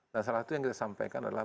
dan salah satu yang kita sampaikan adalah